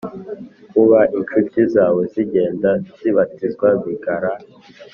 Kuba incuti zawe zigenda zibatizwa bigara